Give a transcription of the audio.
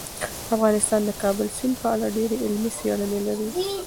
افغانستان د کابل سیند په اړه ډېرې علمي څېړنې لري.